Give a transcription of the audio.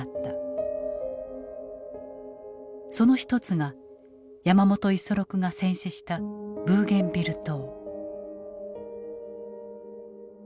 その一つが山本五十六が戦死したブーゲンビル島。